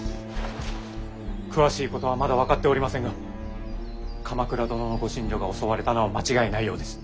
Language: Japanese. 詳しいことはまだ分かっておりませんが鎌倉殿のご寝所が襲われたのは間違いないようです。